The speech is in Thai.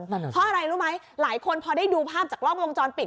เพราะอะไรรู้ไหมหลายคนพอได้ดูภาพจากกล้องวงจรปิด